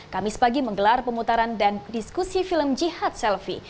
kamis pagi menggelar pemutaran dan diskusi film jihad selfie